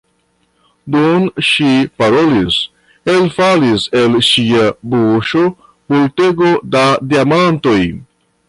Dum ŝi parolis, elfalis el ŝia buŝo multego da diamantoj.